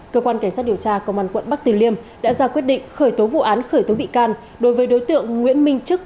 cơ quan cảnh sát điều tra công an quận bắc từ liêm đã ra quyết định khởi tố vụ án khởi tố bị can đối với đối tượng nguyễn minh chức